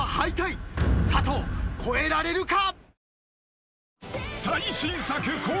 佐藤越えられるか！？